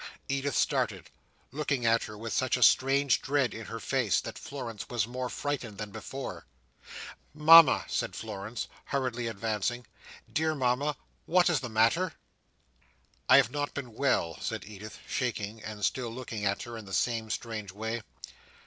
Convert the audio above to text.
Edith started; looking at her with such a strange dread in her face, that Florence was more frightened than before. "Mama!" said Florence, hurriedly advancing. "Dear Mama! what is the matter?" "I have not been well," said Edith, shaking, and still looking at her in the same strange way.